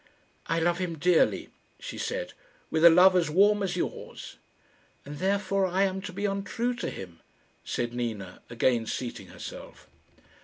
"I love him dearly," she said; "with a love as warm as yours." "And therefore I am to be untrue to him," said Nina, again seating herself.